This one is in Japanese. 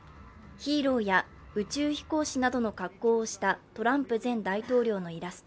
ヒーローや宇宙飛行士などの格好をしたトランプ前大統領のイラスト。